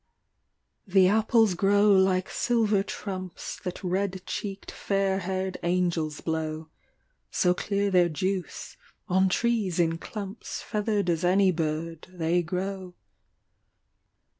THE apples grow like silver trumps That red cheeked fair haired angels blow — So clear their juice ; on trees in clumps Feathered as any bird, they grow.